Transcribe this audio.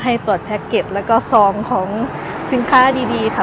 ให้ตรวจแพ็กเก็ตแล้วก็ซองของสินค้าดีค่ะ